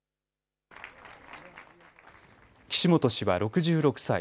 岸本氏は６６歳。